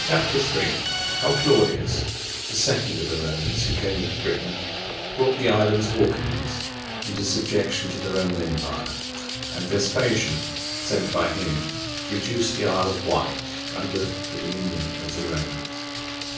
Chap. III. How Claudius, the second of the Romans who came into Britain, brought the islands Orcades into subjection to the Roman empire; and Vespasian, sent by him, reduced the Isle of Wight under the dominion of the Romans.